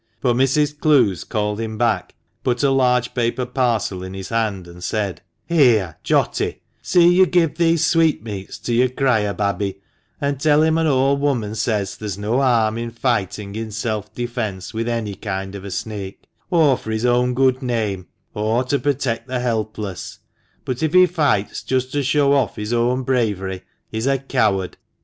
But Mrs. Clowes called him back, put a large paper parcel in his hand, and said —" Here, Jotty, see you give these sweetmeats to your cry a babby, and tell him an old woman says there's no harm in fighting in self defence with any kind of a snake, or for his own good name, or to protect the helpless ; but, if he fights just to show off his own bravery, he's a coward.